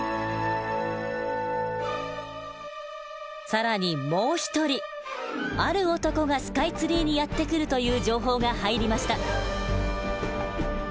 更にもう一人ある男がスカイツリーにやって来るという情報が入りました。